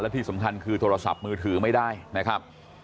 ที่สำคัญคือโทรศัพท์มือถือไม่ได้นะครับ